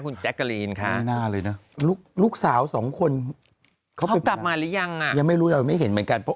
คุณแจ๊กกะลีนค่ะลูกสาว๒คนเขาไปดูแลป่ะยังไม่รู้ไม่เห็นเหมือนกัน